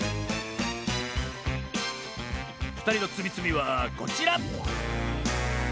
ふたりのつみつみはこちら！